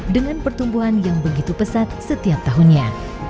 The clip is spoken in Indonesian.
dengan pertumbuhan yang begitu pesat setiap tahunnya